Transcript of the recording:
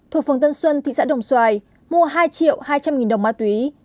thuộc phường tân xuân thị xã đồng xoài mua hai triệu hai trăm linh nghìn đồng ma túy